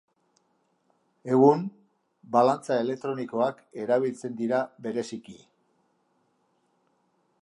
Egun, balantza elektronikoak erabiltzen dira bereziki.